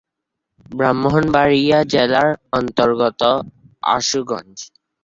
ব্রাহ্মণবাড়িয়া জেলার অন্তর্গত আশুগঞ্জ।